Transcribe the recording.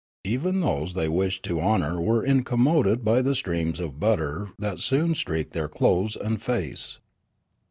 Even those they wished to honour were incommoded by the streams of butter that soon streaked their clothes and face.